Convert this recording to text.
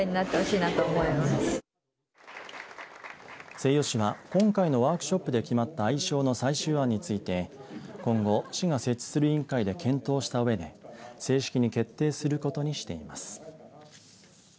西予市は今回のワークショップで決まった愛称の最終案について今後、市が設置する委員会で検討したうえで正式に決定することにしています。